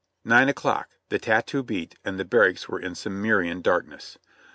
Nine o'clock, the tattoo beat and the barracks were in Cimmer ian darkness.